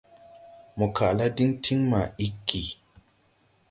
Mo kaʼ la diŋ tiŋ ma iggi.